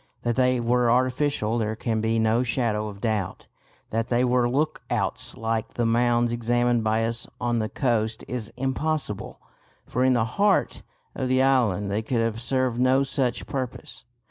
That they were artificial there can be no shadow of doubt. That they were look outs like the mounds examined by us on the coast is impossible, for in the heart of the island they could have served no such purpose.